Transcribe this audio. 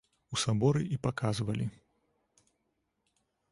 У саборы і паказвалі.